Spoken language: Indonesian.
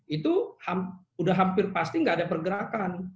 itu hampir pasti nggak ada pergerakan